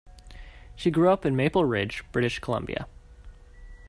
She grew up in Maple Ridge, British Columbia.